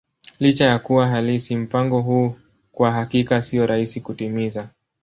Licha ya kuwa halisi, mpango huu kwa hakika sio rahisi kutimiza.